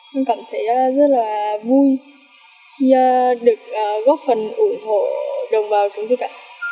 con cảm thấy rất là vui khi được góp phần ủng hộ đồng vào chống dịch